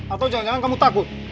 atau jangan jangan kamu takut